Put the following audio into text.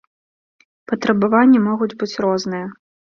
Патрабаванні могуць быць розныя.